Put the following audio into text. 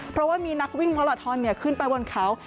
เพราะว่ามีนักวิ่งมาลาทอนขึ้นไปบนเขา